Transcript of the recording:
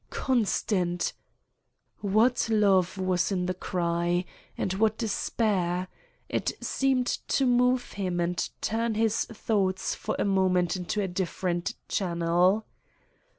"Constant!" What love was in the cry! and what despair! It seemed to move him and turn his thoughts for a moment into a different channel.